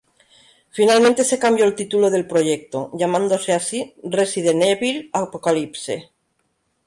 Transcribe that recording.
Finalmente se cambió el título del proyecto, llamándose así "Resident Evil: Apocalypse".